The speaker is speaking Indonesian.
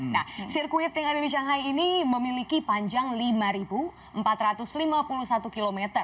nah sirkuit yang ada di shanghai ini memiliki panjang lima empat ratus lima puluh satu km